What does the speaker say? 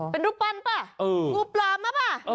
เป็นรูปปั้นหรือนึกลัวมั้ง